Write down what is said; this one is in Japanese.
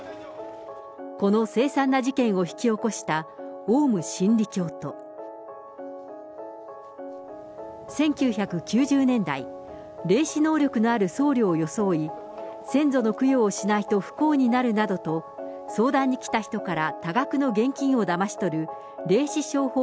この凄惨な事件を引き起こしたオウム真理教と、１９９０年代、霊視能力のある僧侶を装い、先祖の供養をしないと不幸になるなどと、相談に来た人から多額の現金をだまし取る霊視商法